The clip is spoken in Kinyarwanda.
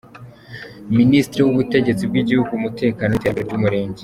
Ministre w’Ubutegetsi bw’igihugu, umutekano n’iterambere ry’umurenge.